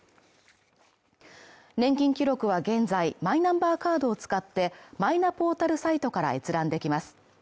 年金記録は現在、マイナンバーカードを使ってマイナポータルサイトから閲覧できます。